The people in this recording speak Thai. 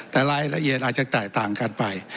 แต่รายละเอียดอาจจะแตกต่างกันไป